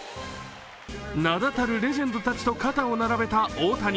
名だたるレジェンドたちと肩を並べた大谷。